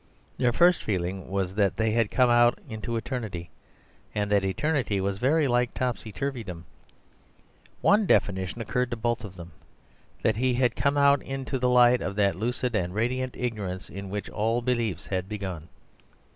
Their first feeling was that they had come out into eternity, and that eternity was very like topsy turvydom. One definition occurred to both of them—that he had come out into the light of that lucid and radiant ignorance in which all beliefs had begun.